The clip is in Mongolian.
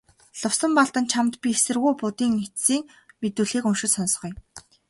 Лувсанбалдан чамд би эсэргүү Будын эцсийн мэдүүлгийг уншиж сонсгоё.